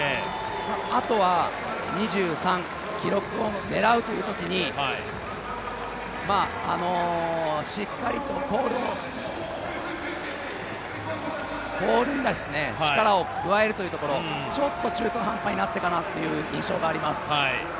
あとは２３、記録を狙うというときにしっかりとポールに力を加えるというところちょっと中途半端になったかなという印象があります。